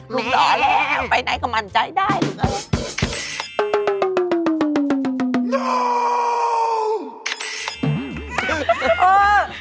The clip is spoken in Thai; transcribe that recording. ลูกหล่อแล้วไปไหนก็มั่นใจได้ลูกนะเฮ่ย